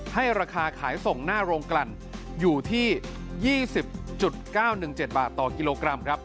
ให้ราคาขายส่งหน้าโรงกลั่นอยู่ที่๒๐๙๑๗บาทต่อกิโลกรัมครับ